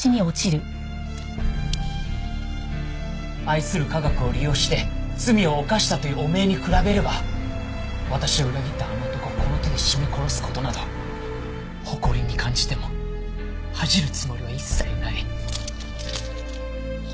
愛する科学を利用して罪を犯したという汚名に比べれば私を裏切ったあの男をこの手で絞め殺す事など誇りに感じても恥じるつもりは一切ない。